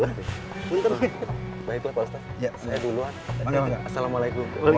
kalo misalnya kita berbincang sama sisaku gitu